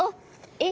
えっ！？